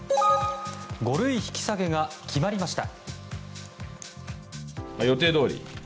５類引き下げが決まりました。